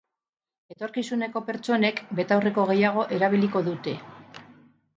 Etorkizuneko pertsonek betaurreko gehiago erabiliko dute.